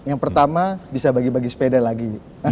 yang pertama bisa bagi bagi sepeda lagi